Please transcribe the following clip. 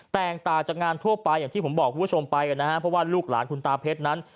แตกต่างจากงานทั่วไปอย่างที่ผมบอกคุณผู้ชมไปกันนะฮะเพราะว่าลูกหลานคุณตาเพชรนั้น